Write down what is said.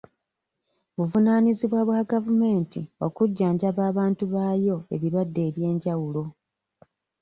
Buvunaanyizibwa bwa gavumenti okujjanjaba abantu baayo ebirwadde eby'enjawulo.